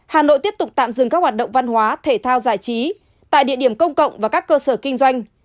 hà nội tiếp tục tạm dừng các hoạt động văn hóa thể thao giải trí tại địa điểm công cộng và các cơ sở kinh doanh